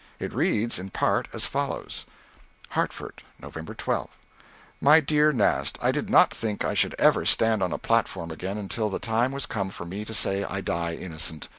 It reads in part as follows: Hartford, Nov. 12. MY DEAR NAST: I did not think I should ever stand on a platform again until the time was come for me to say I die innocent.